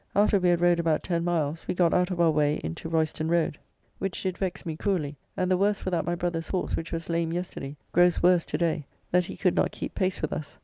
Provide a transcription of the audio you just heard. After we had rode about 10 miles we got out of our way into Royston road, which did vex me cruelly, and the worst for that my brother's horse, which was lame yesterday, grows worse to day, that he could not keep pace with us.